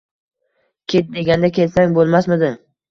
Ket, deganda ketsang, boʻlmasmidi?